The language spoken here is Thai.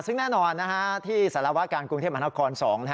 เออซึ่งแน่นอนที่สารวาการกรุงเทพฯมหาคอน๒